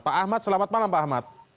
pak ahmad selamat malam pak ahmad